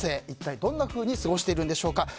一体どんなふうに過ごしているんでしょうか。